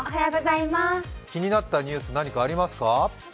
気になったニュース、何かありますか？